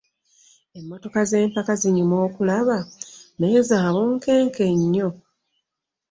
Emmotoka z'empaka zinyuma okulaba naye za bunkenke nnyo.